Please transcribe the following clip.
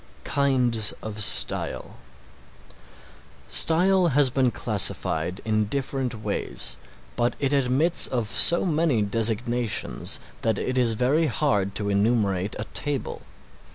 KINDS OF STYLE Style has been classified in different ways, but it admits of so many designations that it is very hard to enumerate a table.